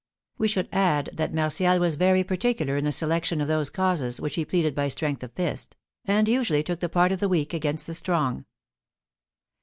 We should add that Martial was very particular in the selection of those causes which he pleaded by strength of fist, and usually took the part of the weak against the strong.